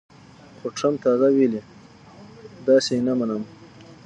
خو ټرمپ تازه ویلي، داسې یې نه منم